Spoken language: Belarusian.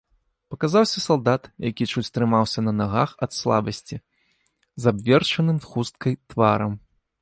Паказаўся салдат, які чуць трымаўся на нагах ад слабасці, з абверчаным хусткай тварам.